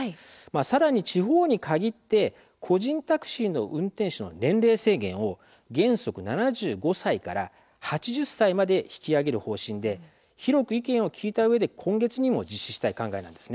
さらに、地方に限って個人タクシーの運転手の年齢制限を原則７５歳から８０歳まで引き上げる方針で広く意見を聞いたうえで今月にも実施したい考えなんです。